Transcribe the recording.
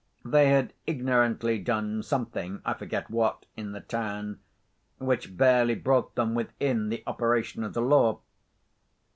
They had ignorantly done something (I forget what) in the town, which barely brought them within the operation of the law.